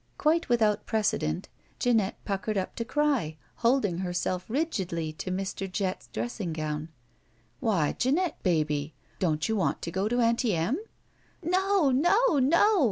Quite without precedent, Jeanette puckered up to 20I GUILTY Cry, holding herself rigidly to Mr. Jett*s dressing gown. "Why, Jeanette baby, don't you want to go to Aunty Em?" "No! No! No!"